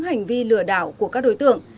hành vi lừa đảo của các đối tượng